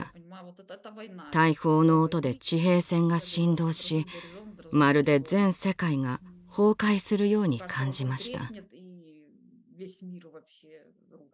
大砲の音で地平線が震動しまるで全世界が崩壊するように感じました。